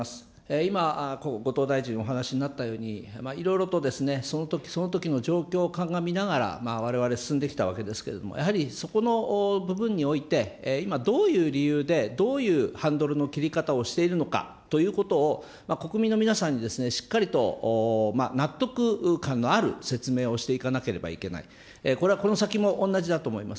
今、後藤大臣お話になったように、いろいろとそのときそのときの状況を鑑みながら、われわれ進んできたわけですけれども、やはりそこの部分において、今、どういう理由で、どういうハンドルの切り方をしているのかということを、国民の皆さんにしっかりと納得感のある説明をしていかなければいけない、これはこの先も同じだと思います。